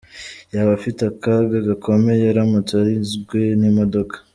yaba afite akaga gakomeye aramutse arinzwe n’imodoka.